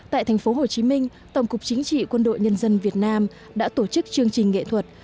tại thành phố hồ chí minh tổng cục chính trị quân đội nhân dân việt nam đã tổ chức chương trình nghệ thuật